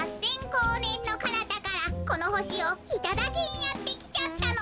こうねんのかなたからこのほしをいただきにやってきちゃったの。